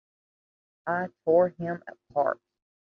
I tore him apart!